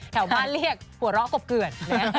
แถวบ้านเรียกหัวเราะกบเกือด